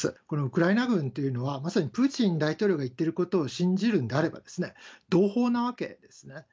このウクライナ軍というのは、まさにプーチン大統領が言っていることを信じるんであればですね、同胞なわけですね。